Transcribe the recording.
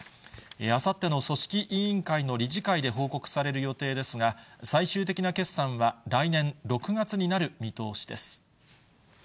あさっての組織委員会の理事会で報告される予定ですが、最終的な決算は来年６月になる見通しです。